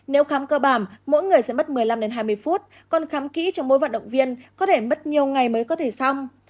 nếu khám cơ bản mỗi người sẽ mất một mươi năm hai mươi phút còn khám kỹ cho mỗi vận động viên có thể mất nhiều ngày mới có thể xong